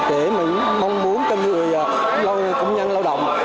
để mình mong muốn cho những người công nhân lao động